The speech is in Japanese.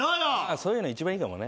そういうの一番いいかもね